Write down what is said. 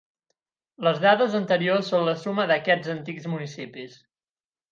Les dades anteriors són la suma d'aquests antics municipis.